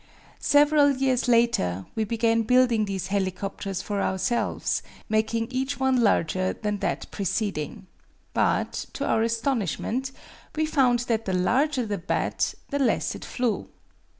Several years later we began building these helicopteres for ourselves, making each one larger than that preceding. But, to our astonishment, we found that the larger the "bat" the less it flew.